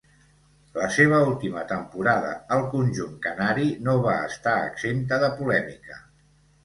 La seva última temporada al conjunt canari no va estar exempta de polèmica.